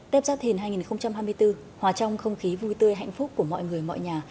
tép giác thiền hai nghìn hai mươi bốn hòa trong không khí vui tươi hạnh phúc của mọi người mọi nhà